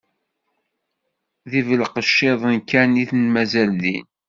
D ibelqecciḍen kan i d-mazal din.